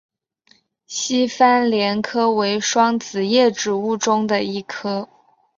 西番莲科为双子叶植物中的一科。